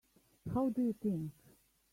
How do you think?